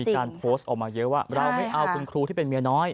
การโพสต์ออกมาเยอะว่าเราไม่เอาคุณครูที่เป็นเมียน้อย